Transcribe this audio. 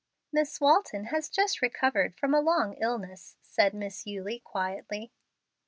"Miss Walton has just recovered from a long illness," said Miss Eulie, quietly.